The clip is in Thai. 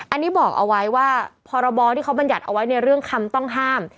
อันนี้บอกเอาไว้ว่าพรบที่เขาบรรยัติเอาไว้ในเรื่องคำต้องห้าม